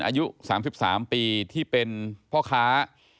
อายุ๓๓ปีที่เป็นพ่อค้า